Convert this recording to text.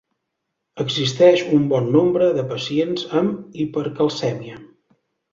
Existeix un bon nombre de pacients amb hipercalcèmia.